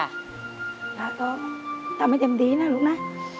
ค่ะก็ทำให้อย่างดีนะลูกนะ